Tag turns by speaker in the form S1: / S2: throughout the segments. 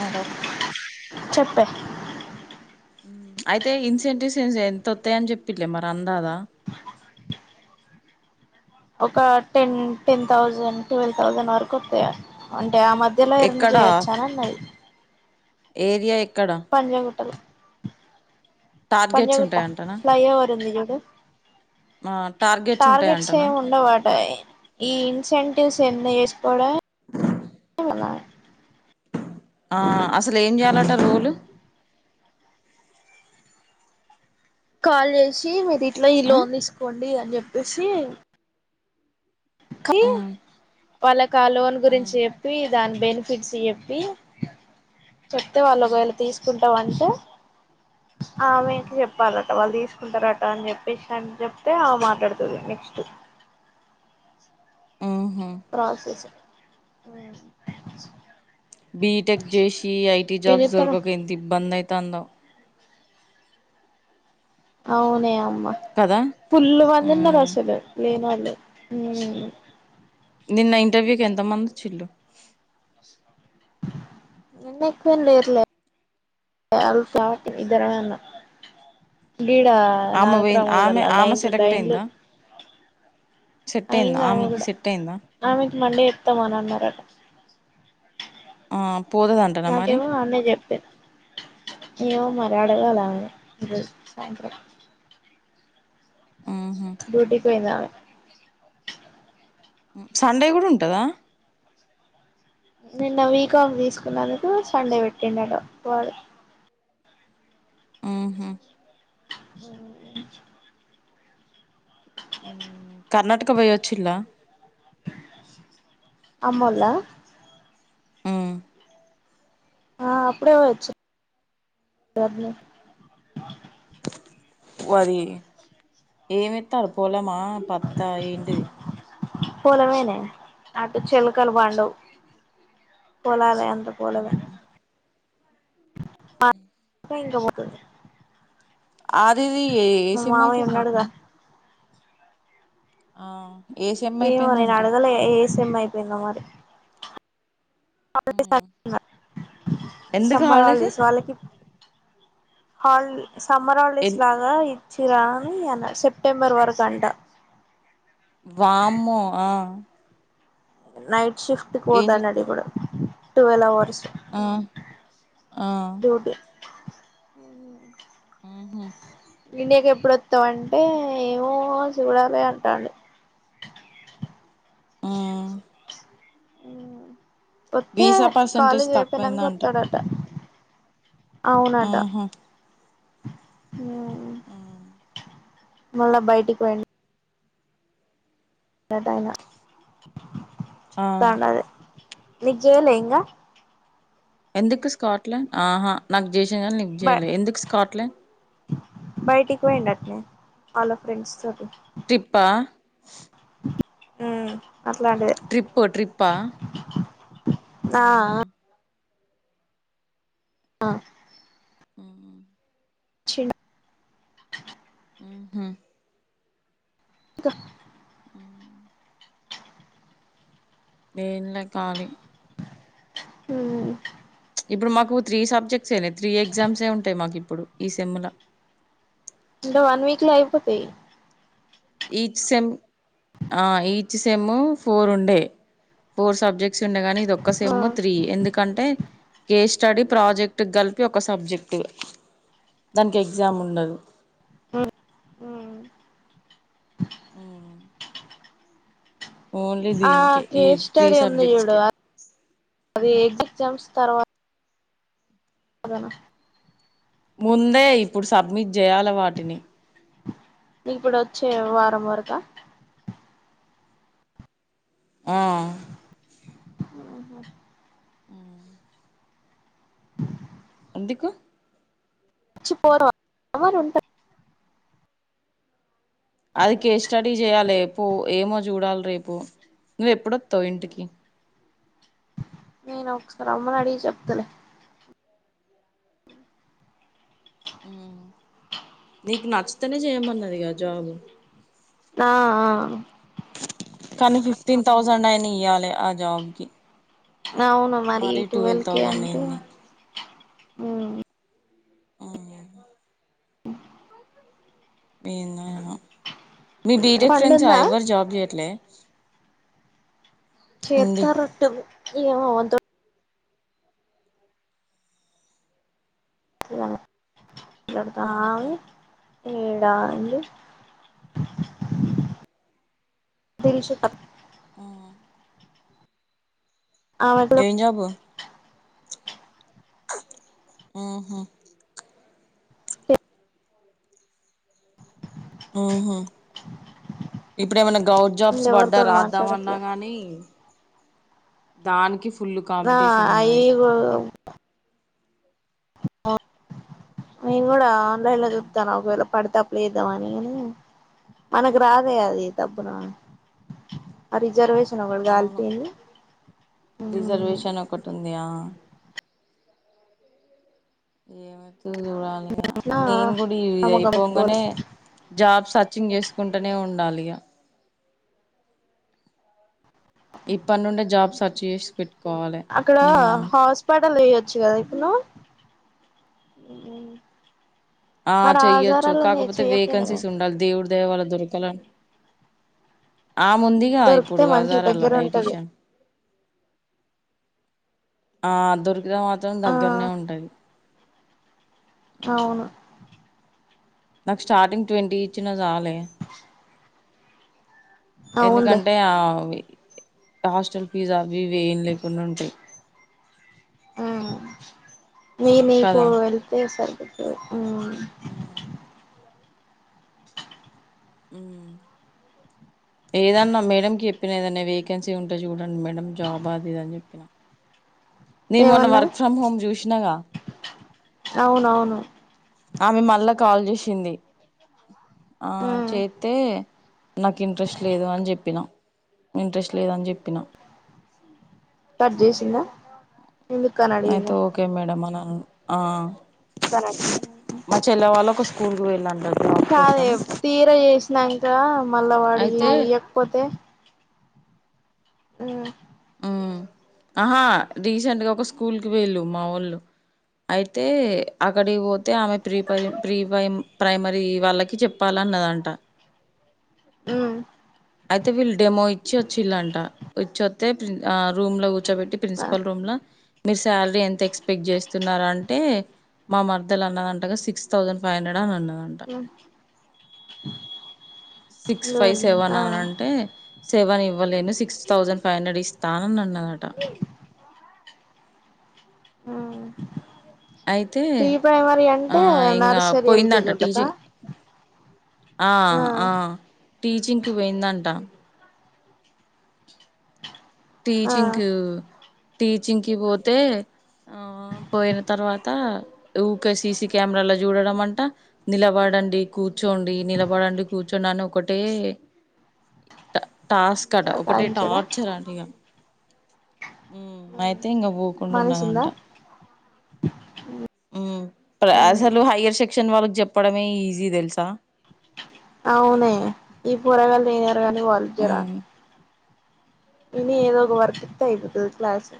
S1: Hello.
S2: చెప్పన్
S1: అయితే incentives చేస్తే ఎంతొత్తయన్ చెప్పిన్లె మరి అందాసా
S2: ఒక ten ten thousand, twelve thousand వరక్ ఒత్తయ అంటే ఆ మద్ ధ్యల ఎర్న్
S1: ఎక్కడా
S2: చేయచ్ అన్ అన్నది.
S1: ఏరియా ఎక్కడ?
S2: పంజగుట్టలో
S1: టార్గెట్స్
S2: పంజగుట్ట
S1: ఉంటాయంటనా
S2: ఫ్లై ఓవర్ ఉంది జూడు
S1: ఆ టార్గెట్స్ ఉంటాయంటనా
S2: టార్గెట్సేం ఉండవట ఏ ఈ ఇన్సెంటివ్స్ ఎర్న్ చేస్కోవడమే అవునా
S1: ఆ అసల్ ఏం చేయాలట రోల్
S2: కాల్ చేసి మీరిట్ల ఈ
S1: ఆ
S2: లోన్ తీస్కోండి అన్ చెప్పేసీ సీ
S1: ఆ
S2: వాళ్ళక్ ఆ లోన్
S1: ఆ
S2: గురించి చెప్పి దాన్ బెనిఫిట్స్ చెప్పి చెప్తే వాళ్ ఒకవేళ తీస్కుంటాం అంటే ఆమెక్ చెప్పాలట వాళ్ తీస్కుంటరట అన్ చెప్పేసన్ చెప్తే ఆమె మాట్లాడ్తది నెక్స్ట్
S1: ఆహా
S2: ప్రాసెస్
S1: బీటెక్ జేసి ఐటీ
S2: ఏం
S1: జాబ్స్
S2: చేత్తన్నావ్
S1: దొరకక ఎంత ఇబ్బందైతాందో
S2: అవునే అమ్మ
S1: కదా
S2: ఫుల్లు మంది ఉన్నర్
S1: ఉమ్
S2: అసలు లేనోళ్ళు
S1: నిన్న ఇంటర్వ్యూకి ఎంత మంది వచ్చిన్లు
S2: నిన్న ఎక్కువేం లేరులె అల్ఫా ఇద్దరమే ఉన్నం గీడా
S1: ఆమె పొయింద్ ఆమె ఆమె సెలెక్ట్ అయిందా? సెట్ అయింద
S2: అయింది ఆమె
S1: ఆమెకి
S2: కూడా
S1: సెట్ అయిందా?
S2: ఆమెకి మండే చెప్తం అన్ అన్నరట.
S1: ఆ పోతదంట
S2: నాకేమో ఆమె జెప్పిన్ అయ్యో మర్ అడగలా
S1: ఆహా
S2: డ్యూటీక్ పోయిండ్ రాల
S1: సండే గుడ్ ఉంటదా
S2: నిన్న వీకాఫ్ తీస్కున్నందుకు సండే పెట్టింరట పోలే
S1: మ్ హ్
S2: మ్
S1: కర్ణాటక పొయి వచ్చిన్లా
S2: అమ్మోల్లా?
S1: మ్
S2: ఆ అప్పుడే పొయి వచ్చిన్
S1: వరీ ఏమేత్తాన్రు పొలమా పత్తా ఏంటిది?
S2: పొలమేనే అటు చెల్కల్ పండవ్ పోలాలే అంతే పొలమే నువ్ ఇంక పోతద్
S1: ఆదిది ఏ
S2: మా
S1: సెమ్
S2: మామయ్య ఉన్నాడుగ
S1: అయిపోయిందటనే ఆ ఏ సెమ్
S2: ఏమో నేన్
S1: అయిపోయిందంట
S2: అడగలె ఏ సెమ్ అయిపోయిందో మరి ఆల్రెడీ
S1: ఉమ్.
S2: సన్
S1: ఎందుకు
S2: సమ్మర్
S1: హాలిడేస్
S2: హాల్డేస్ వాళ్ళకి హాల్ సమ్మర్ హాల్డేస్
S1: ఎన్
S2: లాగా ఇచ్చి గాని అన్న సెప్టెంబర్ వరకంట.
S1: వామ్మో ఆ
S2: నైట్ షిఫ్ట్ కి
S1: ఏం
S2: పోతాన్నాడు
S1: చెప్తా
S2: ఇప్పుడు ట్వెల్వ్ అవర్స్
S1: ఆ ఆ
S2: డ్యూటి
S1: ఉహు
S2: ఇండియాకి ఎప్పుడుస్తావు అంటే ఏమో చూడాలి అంటాండు
S1: ఆ
S2: మ్ వతే
S1: వీసా పర్సంటేజ్
S2: కాలేజ్ అయిపోయినాక
S1: తక్కువైందంట
S2: వస్తాడ అవునటా
S1: ఆహా
S2: ఉ మళ్ళ బయటికి పోయిండు పెద్దయ్యాన
S1: ఆ
S2: తాండ్ అదే నీక్ చేయలే ఇంగా
S1: ఎందుకు స్కాట్లాండ్ ఆహా నాకు చేసిన గానీ నీకు
S2: బ
S1: చేయలే ఎందుకు స్కాట్లాండ్
S2: బయటికి పోయిండ్ అట్నే అలా ఫ్రెండ్స్ తోటి
S1: ట్రిప్పా
S2: ఉ అట్లాంటిది
S1: ట్రిప్పు ట్రిప్పా
S2: ఆ
S1: ఆహా
S2: ఆ
S1: ఉ
S2: చిన్
S1: ఉహు
S2: ఇంకా
S1: ఎన్లే కాలి
S2: మ్మ్
S1: ఇప్పుడు మాకు త్రీ సబ్జెక్ట్స్ ఏనే త్రీ ఎగ్జామ్స్ ఎ ఉంటాయి మాకు ఇప్పుడు ఈ సెమ్ల
S2: అంటే వన్ వీక్ లో అయిపోతాయి
S1: ఈచ్ సెమ్ ఆ ఈచ్ సేమ్ ఫోర్ ఉండే ఫోర్ సబ్జెక్ట్స్ ఉండే గానీ ఇదొ ఒక
S2: ఆ
S1: సెమ్ త్రీ ఎందుకంటే కేస్ స్టడీ ప్రాజెక్ట్ కలిపి ఒక సబ్జెక్ట్ దానికి ఎగ్జామ్ ఉండదు
S2: ఉ హు
S1: ఆ
S2: ఆ
S1: దీనికే ఈ
S2: కేస్
S1: త్రీ
S2: స్టడీ ఉంది చూడు
S1: సబ్జెక్ట్స్కే
S2: అది ఎ ఎగ్జామ్స్ తర్వాత అదేనా
S1: ముందే ఇప్పుడు సబ్మిట్ చేయాల వాటిని
S2: ఇప్పుడు వచ్చే వారం వరకా
S1: ఆ
S2: ఉహు
S1: ఆ ఎందుకు
S2: వచ్చి పోరా ఎవరు ఉంట
S1: అది కే స్టడీ చేయాలిపు ఏమో చూడాలి రేపు నువ్వు ఎప్పుడొస్తావ్ ఇంటికి
S2: నేను ఒకసారి అమ్మను అడిగి చెప్తలే
S1: మ్ నీకు నచ్చితేనే చేయమన్నదిగా జాబు
S2: ఆ ఆ
S1: కానీ ఫిఫ్టీన్ థౌజండ్ అయిన ఇయ్యాలి ఆ జాబ్ కి
S2: అవును మరి
S1: ట్వెల్వ్
S2: టువెల్ కే
S1: థౌజండ్
S2: అంటే
S1: అయింది
S2: మ్
S1: ఎందోఎమో మీ బీటెక్ ఫ్రెండ్స్
S2: పండుందా
S1: ఎవ్వరు జాబ్ చెయట్లే
S2: చేత రొట్టెవి ఏ వ మాట్లాడతాని ఈడ ఆగింది తెలుసి
S1: ఆ
S2: ఆమె కూడా
S1: ఎం జాబు ఆహ ఉ ఇప్పుడే ఏమన్నా గౌ ట్ జబ్స్ పడ్డా
S2: ఎవరితోటి
S1: రాద్దామన్నా
S2: మాట్లాడట్లే
S1: గానీ దానికి ఫుల్లు కాంపిటీషన్ ఉన్నాయి
S2: ఓ ఆ నేను కూడా ఆన్లైన్ లో చూతానా ఒకవేళ పడితే అప్లై చేద్దామని మనకు రాదే అది దప్పున ఆ రిజర్వేషన్ ఒకటి
S1: అవును
S2: కాలిపోయింది
S1: రిజర్వేషన్ ఒకటి ఉంది ఆ ఏమైతదో చూడాలి
S2: ఇట్లా
S1: నేను కూడా ఇది
S2: నమ్మకం పెట్టుకోరు
S1: అయిపోంగనే జాబ్ సర్చింగ్ చేసుకుంటూనే ఉండాలి ఇగ ఇప్పటి నుండే జాబ్ సర్చ్ చేసి పెట్ కోవలే
S2: అక్కడ హాస్పిటల్ చెయొచ్చు కదా ఇప్పుడు నువ్వు ఆ
S1: ఆ చెయ్యొచ్చు కాకపోతే
S2: చేయపోయినవే
S1: వేకెన్సీస్ ఉండాలి దేవుడు దేవాల దుర్కల ఆ ముందిగా
S2: దొరికితే
S1: ఇప్పుడు
S2: మంచి
S1: హజారాల
S2: దగ్గర ఉంటది
S1: డైటిషియన్ ఆ దొరికితే మాత్రం
S2: ఆ
S1: దగ్గరనే ఉంటది
S2: అవును
S1: నాకు స్టార్టింగ్ ట్వంటీ ఇచ్చిన చాలే
S2: అవునులే
S1: ఎందుకంటే ఆ హాస్టల్ ఫీజు అవి ఇవి ఏం లేకుండా ఉంటాయి
S2: ఆ నీయ్యి నీకు
S1: కదా
S2: వెళ్తే సరిపోతది ఉమ్
S1: ఆ ఏదన్నా మేడంకి చెప్పినా ఏదన్న వేకెన్సీ ఉంటే చూడండి మేడం జాబ్ అది ఇదని చెప్పినా నేను మొన్న
S2: ఏమన్నది
S1: వర్క్ ఫ్రమ్ హోమ్ చూసినాగా
S2: అవునవును
S1: ఆమె మళ్ళా కాల్ చేసింది ఆ చేస్తతే నాకు ఇంట్రెస్ట్ లేదు అని చెప్పినా ఇంట్రెస్ట్ లేదని చెప్పిన
S2: కట్ చేసిందా అడిగిందా
S1: అతే ఒకే మేడం అని అన్న మా చెల్లె వాళ్ళు ఒక స్కూల్ కు పోయిలంట
S2: కాదే తీర చేసినాంకా మళ్ళా వాడు ఈ
S1: అయితే
S2: ఇయ్యకపోతే ఉ
S1: ఆహా రీసెంట్గా ఒక స్కూల్కి పోయిళ్ళు మా వాళ్ళు అయితే అక్కడి పోతే ఆమె ప్రీ ప్రై ప్రీ ప్ర ప్రైమరీ వాళ్ళకి చెప్పాలన్నదంట
S2: ఉ
S1: అయితే వీళ్ళు డెమో ఇచ్చి వచ్చిలాంట తే ప్రీ ఆ రూమ్ లో కూర్చోబెట్టి
S2: ఆ
S1: ప్రిన్సిపల్ రూమ్ ల మీరు శాలరీ ఎంత ఎక్స్పెక్ట్ చేస్తున్నారంటే మా మరదెలన్నదంటగా సిక్స్ థౌసండ్ ఫై హండ్రెడ్ ఆ అని అన్నదంట
S2: హొ
S1: సిక్స్ ఫైవ్ సెవెన్ అనంటే సెవెన్ ఇవ్వలేను సిక్స్ తౌసెండ్ ఫైవ్ హండ్రెడ్ ఇస్తా అననన్నాదట
S2: ఆ
S1: అయితే
S2: ప్రీ ప్రైమరీ
S1: ఆ
S2: అంటే
S1: ఇంగా
S2: నర్సరీ
S1: పోయిందంట
S2: ఎల్కేజి ఒల్లక
S1: టీచింగ్ ఆ ఆ టీచింగ్కి పోయిందంట
S2: ఆ
S1: టీచింకు టీచింకి పోతే ఆ పోయిన తర్వాత ఊకే సిసి కెమెరాలో చూడడం అంటా నిలబడండి కూర్చోండి నిలబడండి కూర్చోండి అనొకటే ట టాస్క్ అట ఒకటె
S2: సతాయించుడా
S1: టార్చర్ అంట ఇగా ఊ అయితే ఇంగ పోకుండా
S2: మనిషుందా
S1: ఉన్నదంట ఊ ప్ర అసలు హైయర్ సెక్షన్ వాళ్ళకి చెప్పడమే ఈజీ తెలుసా
S2: అవునే ఈ పోరగాలు వినారు కానీ వాళ్ళు జరా
S1: మ్మ్
S2: ఇని ఏదో ఒక వర్క్ ఇతే అపోతది క్లాసు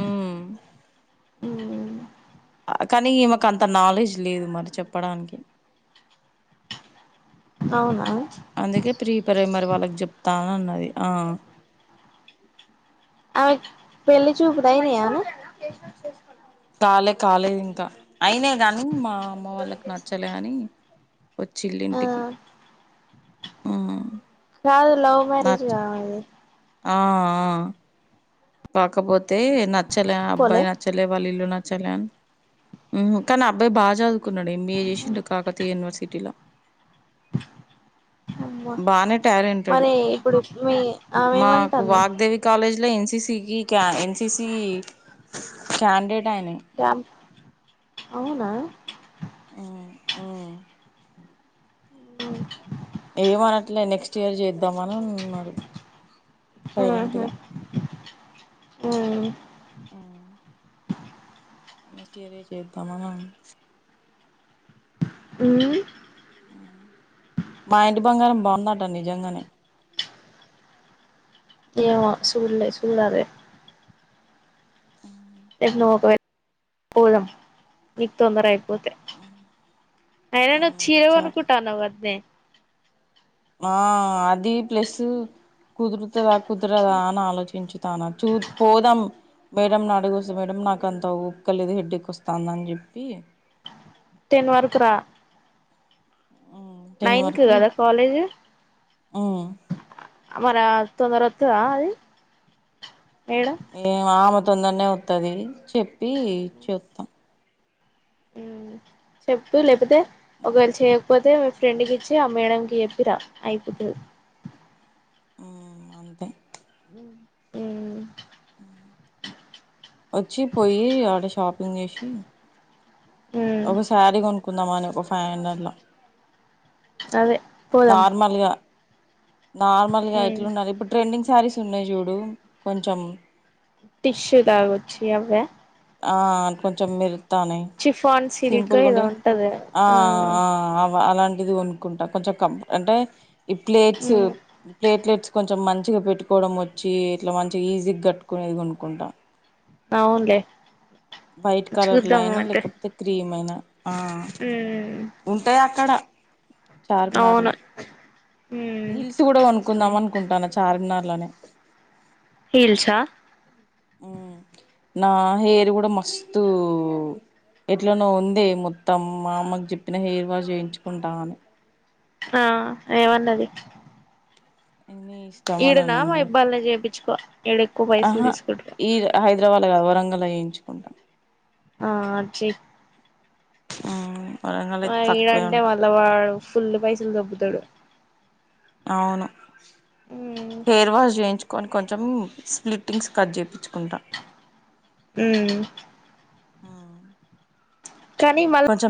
S1: ఊ
S2: ఉమ్
S1: ఆ కానీ ఈమెకు అంత నాలెడ్జ్ లేదు మరి చెప్పడానికి [inaudible]
S2: అవునా
S1: అందుకే ప్రీప్రైమరీ వాళ్ళకి చెప్తాను అన్నది ఆ
S2: ఆ పెళ్లి చూపులయినాయనే
S1: కాలే కాలేదు ఇంకా అయినాయ్ కాని మా అమ్మ వాళ్ళకి నచ్చలే అని వచ్చిళ్ళు
S2: ఆ
S1: ఇల్లింటికి ఊ
S2: కాదు లవ్ మ్యారేజ్ కావాలి
S1: ఆ ఆ పాకపోతే నచ్చలే
S2: ఒప్పుకోలే
S1: అబ్బాయి నచ్చలే వాళ్ళ ఇల్లు నచ్చలే అని ఊహ్ కానీ ఆ అబ్బాయి బా చదుకున్నాడే ఎంబీఏ చేసిండు కాకతీయ యూనివర్సిటీలో
S2: అమ్మ
S1: [inaudible] బానే టాలెంటెడు
S2: మరి ఇప్పుడు మీ ఆమె
S1: మాకు
S2: ఏమంటాంది
S1: వాగ్దేవి కాలేజ్ లో ఎన్సిసి కి క ఎన్సిసి క్యాండిడేట్ ఆయన
S2: చా అవునా
S1: ఆ ఊ
S2: అ
S1: ఏమనట్లే నెక్స్ట్ ఇయర్ చేద్దామనన్నారు
S2: ఊహు ఉ
S1: ఆ నెక్స్ట్ ఇయర్ ఏ చేద్దామనిన్నా
S2: ఊ
S1: మా ఇంటి బంగారం బాందంట నిజంగానే
S2: ఏమో సూడ్లే సూడాలే ఎ [inaudible] పోదం మీక్ తొందర అయిపోతే అయనా నువ్ చ్చీర
S1: సరే
S2: కొనుకుంటా అన్నావ్ కాద్నే
S1: ఆ అది ప్లస్సు కుదురుతదా కుదరదా అని ఆలోచించుతాన చూ పోదాం మేడం అడుగు వస్తే మేడం నాకు అంత ఓపిక లేదు హెడేక్ వస్తుందని చెప్పి
S2: టెన్ వరకురా
S1: టెన్
S2: నైన్ కి
S1: వరకు
S2: కాదా కాలేజ్
S1: ఉమ్
S2: అ మరా తొందర వతద అది ఏడ
S1: ఏం ఆమె తొందరనే అతది చెప్పి ఇచ్చేతా
S2: ఉమ్ చెప్పు లేకపోతే ఒకవేళ చేయకపోతే ఫ్రెండ్కి ఇచ్చి ఆ మేడంకి చెప్పిరా అయిపోతది
S1: అంతే
S2: [inaudible]
S1: ఆ వచ్చి పోయి ఆడ షాపింగ్ చేసి
S2: ఉమ్
S1: ఒక శారీ కొనుకుందాం అని ఒక ఫైవ్ హండ్రెడ్ ల
S2: అదే పోదాం
S1: నార్మల్గా నార్మల్గా
S2: ఉమ్
S1: ఎట్లుండాలి ఇప్పుడు ట్రెండింగ్ శారీస్ ఉన్నాయి చూడు కొంచెం
S2: టిష్యూ లాగొచ్చి అవ
S1: ఆ కొంచెం మిరుతానే
S2: చిఫాన్ సిల్క్ ఏదో
S1: సింపుల్గాండేవి
S2: ఉంటది
S1: ఆ ఆ అలాంటిది కొనుకుంటా కొంచెం కం అంటే ఈ ప్లేట్స్
S2: ఉమ్
S1: ప్లేట్లెట్స్ కొంచెం మంచిగా పెట్టుకోవడం వచ్చి ఇట్లా మంచిగా ఈజీగా కట్టుకునేది కొనుక్కుంటా
S2: అవునులే
S1: వైట్ కలర్ లో
S2: చూద్దాం
S1: అయినా
S2: అయితే
S1: లేకపోతే క్రీమ్ అయినా ఆ
S2: ఉమ్
S1: ఉంటాయి అక్కడ చార్మినార్ల
S2: అవును ఉమ్
S1: హిల్స్ కూడా కొనుక్కుందాం అనుకుంటాన చార్మినార్లోనే
S2: హిల్సా
S1: ఉమ్మ్ నా హెయిర్ కూడా మస్తు ఎట్లనో ఉంది మొత్తం మా అమ్మకి చెప్పిన హెయిర్ వాష్ చేయించుకుంటా అని
S2: ఆ ఏవన్నది
S1: నీ ఇష్
S2: ఈడనా మా హెల్బల్ లో చెప్పిచుకో
S1: ఆహా ఈ హైదరాబాద్ కాదు వరంగల్లో చేయించుకుంటా
S2: ఆ ఆడ చే
S1: ఆ
S2: ఆ ఈడంటే మళ్ళా వాడు ఫుల్ పైసలు దొబ్బుతాడు
S1: అవును
S2: మ్
S1: హెయిర్ వాష్ చేయించు కొని కొంచెం స్ప్లిట్టింగ్స్ కట్ చెప్పిచుకుంట
S2: ఉమ్మ్
S1: ఉమ్
S2: కానీ మల